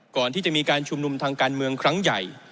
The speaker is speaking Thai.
ก่อนที่จะมีการชุมนุมทางการเมืองครั้งใหญ่